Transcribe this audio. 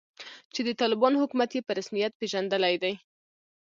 چې د طالبانو حکومت یې په رسمیت پیژندلی دی